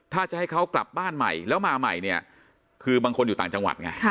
ถ้าจะให้เขากลับบ้านใหม่แล้วมาใหม่เนี่ยคือบางคนอยู่ต่างจังหวัดไง